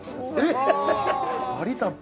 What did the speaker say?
えっ